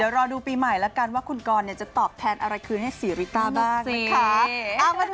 เดี๋ยวรอดูปีใหม่แล้วกันว่าคุณกรจะตอบแทนอะไรคืนให้ศรีริต้าบ้างนะคะ